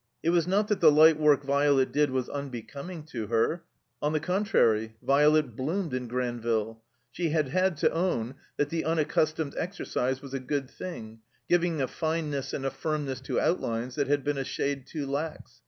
It was not that the light work Violet did was unbecoming to her. On the contrary, Violet bloomed in GranviUe. She had had to own that the tmaccustomed exercise was a good thing, giving a fineness and a firmness to out lines that had been a shade too lax.